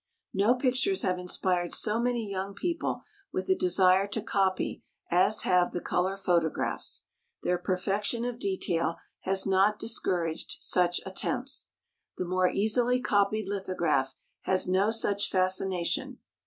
No pictures have inspired so many young people with a desire to copy as have the color photographs. Their perfection of detail has not discouraged such attempts. The more easily copied lithograph has no such fascination.